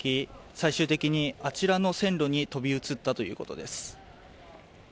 最終的にあちらの線路に飛び移ったということです。